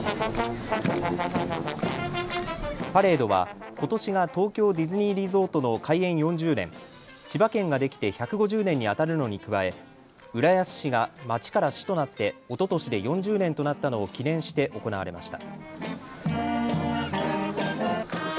パレードはことしが東京ディズニーリゾートの開園４０年、千葉県ができて１５０年にあたるのに加え浦安市が町から市となっておととしで４０年となったのを記念して行われました。